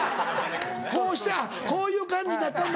こうしたこういう感じになったんだ。